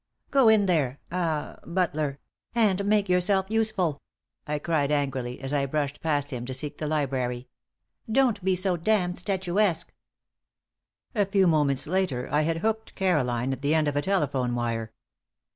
"Go in there ah butler, and make yourself useful," I cried, angrily, as I brushed past him to seek the library. "Don't be so damned statuesque!" A few moments later, I had hooked Caroline at the end of a telephone wire.